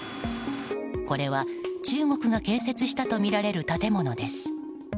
これは中国が建設したとみられる建物です。